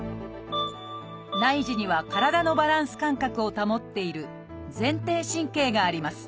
内耳には体のバランス感覚を保っている「前庭神経」があります。